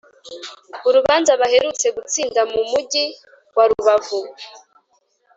Urubanza baherutse gutsinda mu mugi wa Rubavu